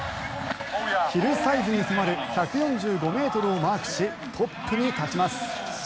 ヒルサイズに迫る１４５ｍをマークしトップに立ちます。